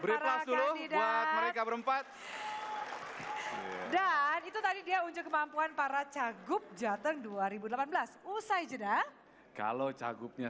mereka berempat dan itu tadi dia ujung kemampuan para cagup jateng dua ribu delapan belas usai judah kalau cagupnya